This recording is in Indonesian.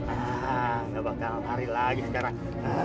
hah gak bakal lari lagi sekarang